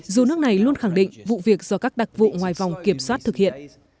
dù nước này luôn khẳng định vụ việc do các đặc vụ ngoài vòng kiểm soát thực hiện